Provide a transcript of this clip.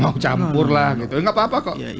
mau campur lah gitu gapapa kok